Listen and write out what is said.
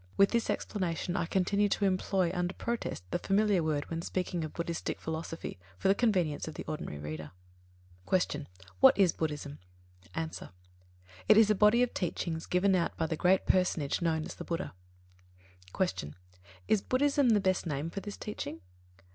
With this explanation, I continue to employ under protest the familiar word when speaking of Buddhistic philosophy, for the convenience of the ordinary reader. 2. Q. What is Buddhism? A. It is a body of teachings given out by the great personage known as the Buddha. 3. Q. _Is "Buddhism" the best name for this teaching?